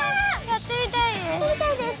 やってみたいです！